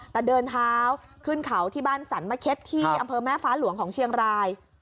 แต่เดินเท้าขึ้นเขาที่บ้านสรรมะเข็ดที่อำเภอแม่ฟ้าหลวงของเชียงราย